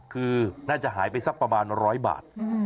คือน่าจะหายไปสักประมาณ๑๐๐บาท